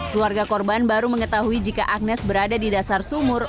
keluarga korban baru mengetahui jika agnes berada di dasar sumur